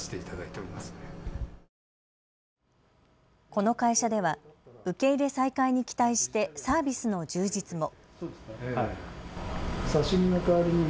この会社では受け入れ再開に期待してサービスの充実も。